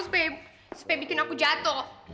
supaya bikin aku jatuh